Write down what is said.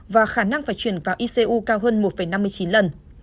và khả năng phải chuyển vào icu cao hơn một năm mươi chín lần